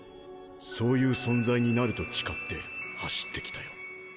そういう存在になると誓って走ってきたよ。